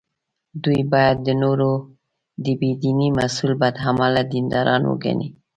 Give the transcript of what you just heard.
دوی باید د نورو د بې دینۍ مسوول بد عمله دینداران وګڼي.